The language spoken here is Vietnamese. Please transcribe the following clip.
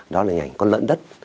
đó là hình ảnh con lợn đất